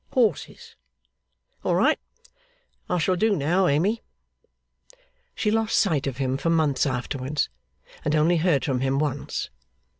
'Horses. All right! I shall do now, Amy.' She lost sight of him for months afterwards, and only heard from him once.